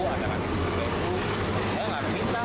saya nggak ada minta kan